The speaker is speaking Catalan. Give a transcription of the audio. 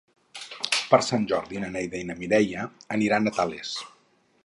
Per Sant Jordi na Neida i na Mireia aniran a Tales.